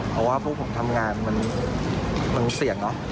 เพราะว่าพวกผมทำงานมันเสี่ยงเนอะ